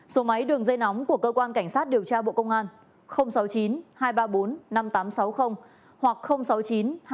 số máy đường dây nóng của cơ quan cảnh sát điều tra bộ công an sáu mươi chín hai trăm ba mươi bốn năm nghìn tám trăm sáu mươi hoặc sáu mươi chín hai trăm ba mươi hai một nghìn sáu trăm